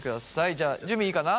じゃあ準備いいかな？